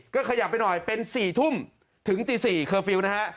ก็ขยับไปหน่อยเป็น๔ทุ่มถึงตี๔เคอร์ฟิลล์นะฮะ